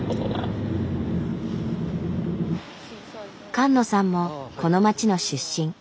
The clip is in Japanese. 菅野さんもこの町の出身。